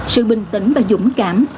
sự bình tĩnh và dũng cảm